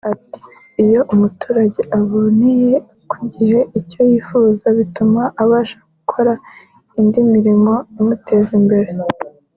Ati “Iyo umuturage aboneye ku gihe icyo yifuza bituma abasha gukora indi mirimo imuteza imbere